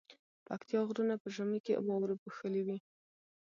پکتيا غرونه په ژمی کی واورو پوښلي وی